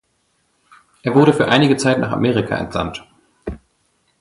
Er wurde für einige Zeit nach Amerika entsandt.